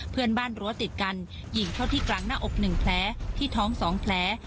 เพื่อนบ้านรั้วติดกันหญิงเท่าที่กลางหน้าอกหนึ่งแพลที่ท้องสองแพล